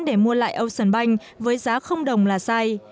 để mua lại ocean bank với giá đồng là sai